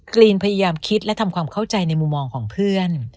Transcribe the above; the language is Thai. รีนพยายามคิดและทำความเข้าใจในมุมมองของเพื่อน